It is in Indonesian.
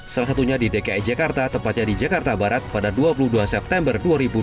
salah satunya di dki jakarta tepatnya di jakarta barat pada dua puluh dua september dua ribu dua puluh